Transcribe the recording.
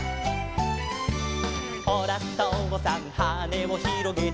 「ほらとうさんはねをひろげて」